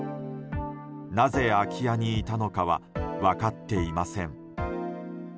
なぜ、空き家にいたのかは分かっていません。